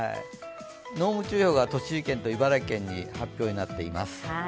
濃霧注意報が栃木県と茨城県に出ています。